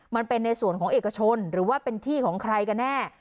ในส่วนของเอกชนหรือว่าเป็นที่ของใครกันแน่